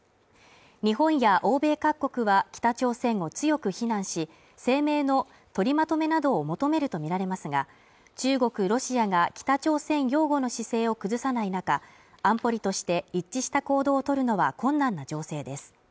日本や欧米各国は北朝鮮を強く非難し、声明の取りまとめなどを求めるとみられますが中国ロシアが北朝鮮擁護の姿勢を崩さない中、安保理として一致した行動を取るのは困難な情勢です。